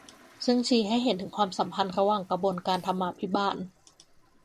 ซึ่งชี้ให้เห็นถึงความสัมพันธ์ระหว่างกระบวนการธรรมาภิบาล